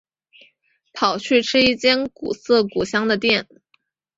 跑去吃一间古色古香的店